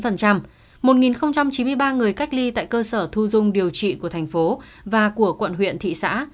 một chín mươi ba người cách ly tại cơ sở thu dung điều trị của thành phố và của quận huyện thị xã